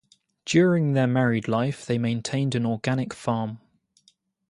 During their married life they maintained an organic farm.